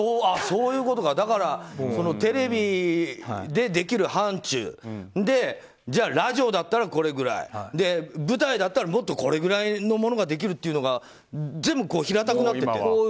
だからテレビでできる範疇でラジオだったらこれぐらい舞台だったらもっとこれぐらいのものができるっていうのが全部、平たくなってるの？